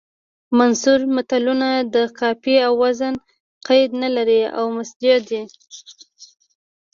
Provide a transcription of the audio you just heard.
منثور متلونه د قافیې او وزن قید نه لري او مسجع دي